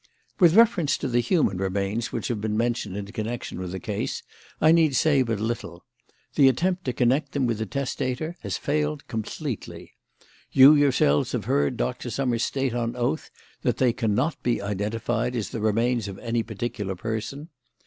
"With reference to the human remains which have been mentioned in connection with the case I need say but little. The attempt to connect them with the testator has failed completely. You yourselves have heard Doctor Summers state on oath that they cannot be identified as the remains of any particular person.